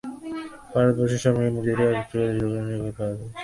ভারতবর্ষের সর্বাঙ্গীণ মূর্তিটা সবার কাছে তুলে ধরো– লোকে তা হলে পাগল হয়ে যাবে।